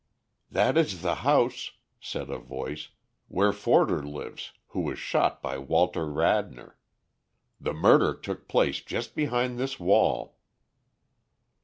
"That is the house," said a voice, "where Forder lives, who was shot by Walter Radnor. The murder took place just behind this wall."